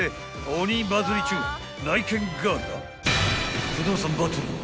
鬼バズり中内見ガールが不動産バトル！］